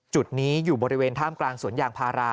จุดนี้อยู่บริเวณท่ามกลางสวนยางพารา